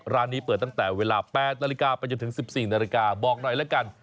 ร้านนี้เปิดตั้งแต่เวลา๘นาฬิกาไปจนถึง๑๔นาฬิกาบอกหน่อยละกัน